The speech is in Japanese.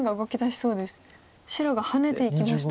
白がハネていきました。